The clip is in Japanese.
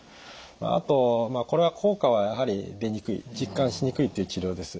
あとこれは効果はやはり出にくい実感しにくいという治療です。